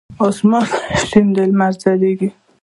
اسمان شین دی لمر ځلیږی